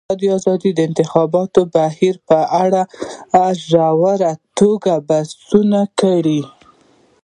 ازادي راډیو د د انتخاباتو بهیر په اړه په ژوره توګه بحثونه کړي.